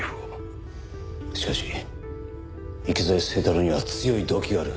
しかし池添清太郎には強い動機がある。